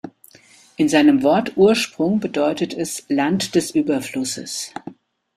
In seinem Wortursprung bedeutet es "Land des Überflusses".